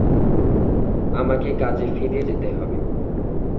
আমাকে কাজে ফিরে যেতে হবে।